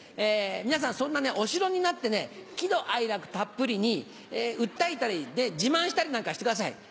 皆さん、そんなお城になって、喜怒哀楽たっぷりに、訴えたり、自慢したりなんかしてください。